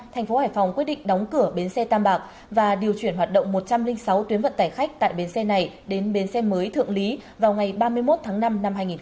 thành phố hải phòng quyết định đóng cửa bến xe tam bạc và điều chuyển hoạt động một trăm linh sáu tuyến vận tải khách tại bến xe này đến bến xe mới thượng lý vào ngày ba mươi một tháng năm năm hai nghìn hai mươi